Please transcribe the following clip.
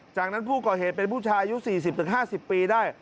จากนั้นผู้ก่อเหตุเป็นผู้ชายอายุ๔๐๕๐ปีได้